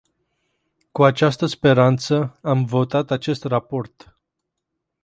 Cu această speranță am votat acest raport.